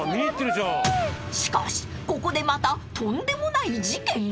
［しかしここでまたとんでもない事件が］